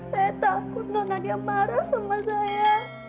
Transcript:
saya takut non nadia marah sama saya